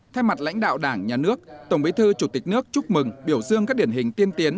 thay mặt lãnh đạo đảng nhà nước tổng bí thư chủ tịch nước chúc mừng biểu dương các điển hình tiên tiến